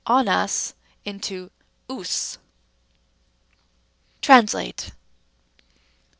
ovas into ous. TRANSLATE 1.